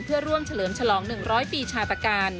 เพื่อร่วมเฉลิมฉลอง๑๐๐ปีชาปการ